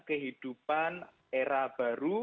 kehidupan era baru